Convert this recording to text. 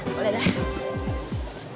ah boleh dah